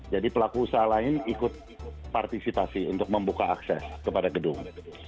jadi pelaku usaha lain ikut partisipasi untuk membuka akses kepada gedung